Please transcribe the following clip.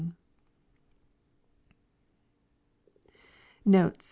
Notes.